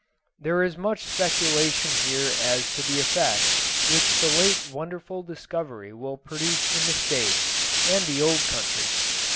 There is much speculation here as to the effects which the late wonderful discovery will produce in the States and the old country.